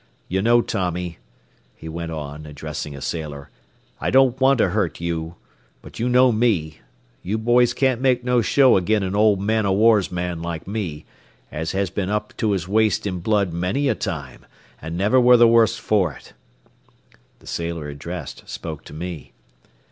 You know, Tommy," he went on, addressing a sailor, "I don't want to hurt you; but you know me. You boys can't make no show agin an old man o' war's man like me, as has been up to his waist in blood many a time, an' never ware the worse for it." The sailor addressed spoke to me.